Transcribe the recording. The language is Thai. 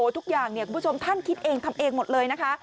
ทุกอย่างท่านคิดเองทำเองหมดเลย